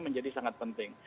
menjadi sangat penting